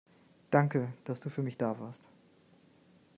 Danke, dass du für mich da warst.